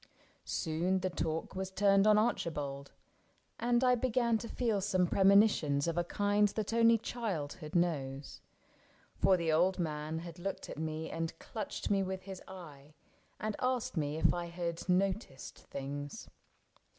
Soon the talk Was turned on Archibald, and I began To feel some premonitions of a kind That only childhood knows ; for the old man Had looked at me and clutched me with his eye. And asked if I had ever noticed things.